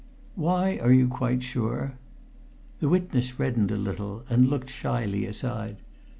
"Why are you quite sure?" The witness reddened a little and looked shyly aside.